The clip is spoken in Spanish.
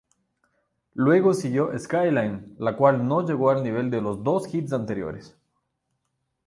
Luego siguió "Skyline" la cual no llegó al nivel de los dos hits anteriores.